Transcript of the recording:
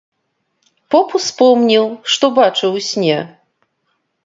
Поп успомніў, што бачыў у сне.